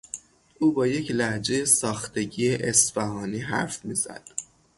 او با یک لهجهی ساختگی اصفهانی حرف میزد.